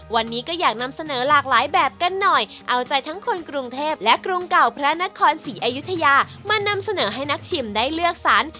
วันนี้ก็อยากนำเสนอหลากหลายแบบกันหน่อยเอาใจทั้งคนกรุงเทพและกรุงเก่าพระนครศรีอยุธยามานำเสนอให้นักชิมได้เลือกสรร